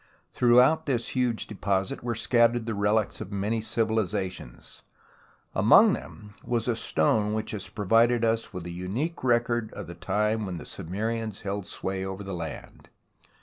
Throughout this huge deposit were scattered the relics of many civilizations, among them a stone which has pro vided us with a unique record of the time when the Sumerians held sway over the land.